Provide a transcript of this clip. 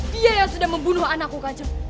dia yang sudah membunuh anakku kaca